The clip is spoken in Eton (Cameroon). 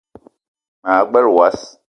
Ma gbele wass